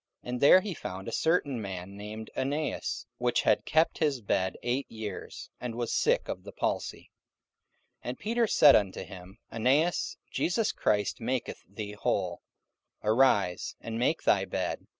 44:009:033 And there he found a certain man named Aeneas, which had kept his bed eight years, and was sick of the palsy. 44:009:034 And Peter said unto him, Aeneas, Jesus Christ maketh thee whole: arise, and make thy bed.